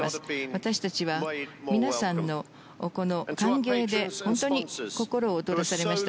私たちは皆さんの歓迎で本当に心を踊らされました。